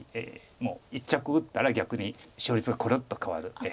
もう一着打ったら逆に勝率がクルッと変わる。